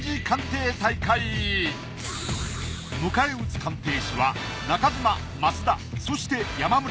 迎え撃つ鑑定士は中島増田そして山村。